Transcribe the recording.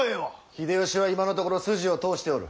秀吉は今のところ筋を通しておる。